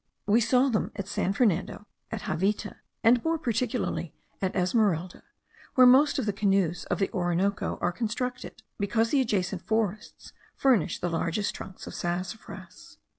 We saw them at San Fernando, at Javita, and more particularly at Esmeralda, where most of the canoes of the Orinoco are constructed, because the adjacent forests furnish the largest trunks of sassafras.